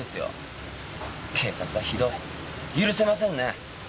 警察はひどい許せませんね！